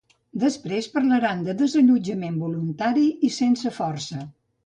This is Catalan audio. Després parlaran de desallotjament voluntari i sense força.